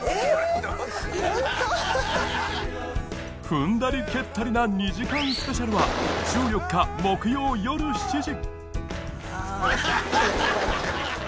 踏んだり蹴ったりな２時間スペシャルは１４日木曜よる７時